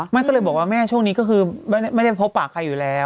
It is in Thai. ไม่ก็เลยบอกว่าแม่ช่วงนี้ก็คือไม่ได้พบปากใครอยู่แล้ว